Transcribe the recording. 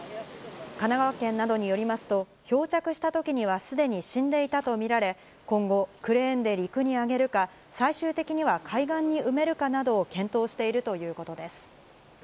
神奈川県などによりますと、漂着したときにはすでに死んでいたと見られ、今後、クレーンで陸に上げるか、最終的には海岸に埋めるかなどを検討しているということです。